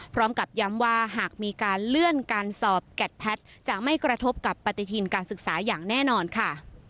พร้อมกับย้ำว่าหากมีการเลื่อนการสอบแกดแพทย์จะไม่กระทบกับปฏิทินการศึกษาอย่างแน่นอนค่ะ